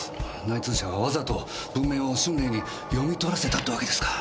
内通者がわざと文面を春麗に読み取らせたってわけですか。